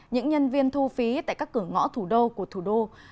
những nhân viên thu phí tại các cửa ngõ thủ đô của thủ đô